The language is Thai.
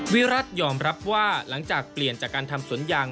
วิรัติยอมรับว่าหลังจากเปลี่ยนจากการทำสวนยาง